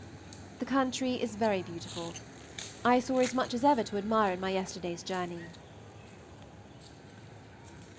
The country is very beautiful. I saw as much as ever to admire in my yesterday's journey.